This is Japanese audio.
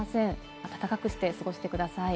あたたかくて過ごしてください。